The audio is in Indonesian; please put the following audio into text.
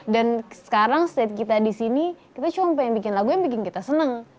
dan sekarang state kita disini kita cuma pengen bikin lagu yang bikin kita seneng